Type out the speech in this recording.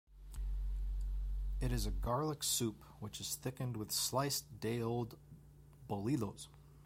It is a garlic soup which is thickened with sliced day-old bolillos.